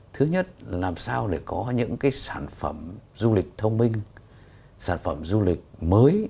thứ nhất là làm sao để có những cái sản phẩm du lịch thông minh sản phẩm du lịch mới